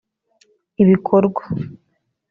ibikorwa